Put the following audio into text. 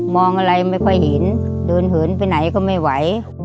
อะไรไม่ค่อยเห็นเดินเหินไปไหนก็ไม่ไหว